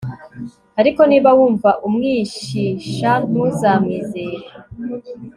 ariko niba wumva umwishisha, ntuzamwizere